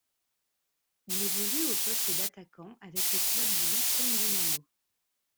Il évolue au poste d'attaquant avec le club du Houston Dynamo.